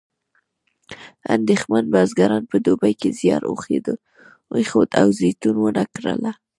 اندېښمن بزګران په دوبي کې زیار ایښود او زیتون ونه کرله.